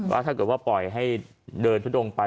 ถ้าเกิดว่าปล่อยให้เดินทุดงไป